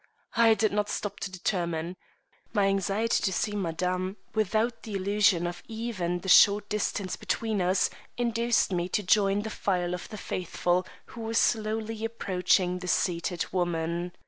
I did not stop to determine. My anxiety to see Madame, without the illusion of even the short distance between us, induced me to join the file of the faithful who were slowly approaching the seated woman.